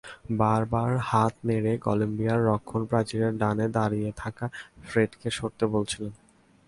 বারবার হাত নেড়ে কলম্বিয়ার রক্ষণপ্রাচীরের ডানে দাঁড়িয়ে থাকা ফ্রেডকে সরতে বলছিলেন।